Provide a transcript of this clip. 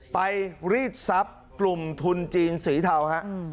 รีดทรัพย์กลุ่มทุนจีนสีเทาฮะ